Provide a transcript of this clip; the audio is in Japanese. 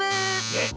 えっ？